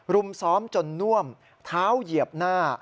รุมซ้อมจนน่วมเท้าเหยียบหน้า